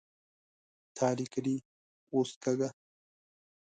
تا ليکلې اوس کږه